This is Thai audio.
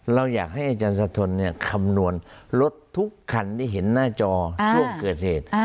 เราอยากให้อาจารย์สะทนคำนวณรถทุกคันที่เห็นหน้าจอช่วงเกิดเหตุ